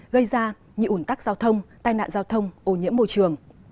gây ra như ủn tắc giao thông tai nạn giao thông ô nhiễm môi trường